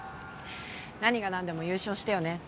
何が何でも優勝してよね。